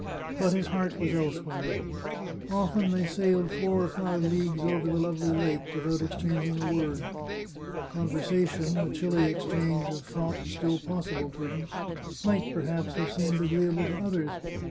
But his heart was elsewhere. Often they sailed four or five leagues over the lovely lake without exchanging a word. Conversation, the chilly ex change of thought still possible to them, might, perhaps, have seemed agreeable to others.